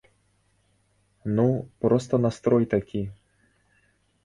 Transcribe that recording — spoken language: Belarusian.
Ну, проста настрой такі.